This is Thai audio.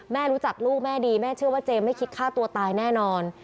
แม่รู้จักลูกแม่ดีแม่เชื่อว่าเจมไม่คิดฆ่าตัวตายแน่นอน